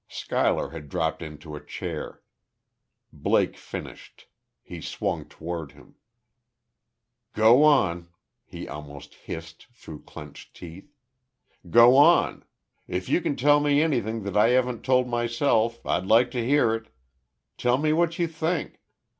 Schuyler had dropped into a chair. Blake finished. He swung toward him. "Go on!" he almost hissed, through clenched teeth. "Go on! If you can tell me anything that I haven't told myself, I'd like to hear it. Tell me what you think.